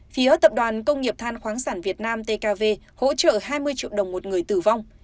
phía tập đoàn công nghiệp than khoáng sản việt nam tkv hỗ trợ hai mươi triệu đồng một người tử vong